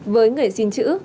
với người xin chữ